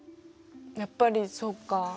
やっぱりそっか。